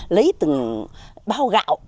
lấy từng bao gạo